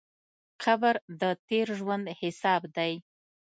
قبر د تېر ژوند حساب دی.